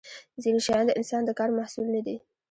ځینې شیان د انسان د کار محصول نه دي.